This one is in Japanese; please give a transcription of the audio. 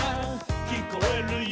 「きこえるよ」